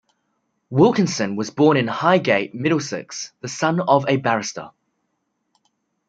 Wilkinson was born in Highgate, Middlesex, the son of a barrister.